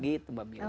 gitu mbak mila